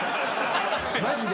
マジで。